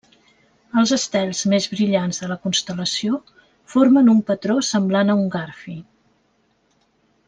Els estels més brillants de la constel·lació formen un patró semblant a un garfi.